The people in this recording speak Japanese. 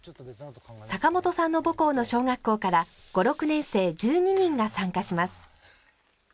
坂本さんの母校の小学校から５６年生１２人が参加します。